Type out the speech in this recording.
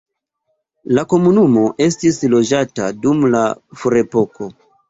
La komunumo estis loĝata dum la ferepoko.